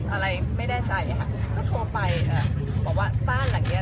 อะไรไม่แน่ใจค่ะก็โทรไปอ่าบอกว่าบ้านหลังเนี้ย